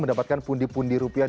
mendapatkan pundi pundi rupiah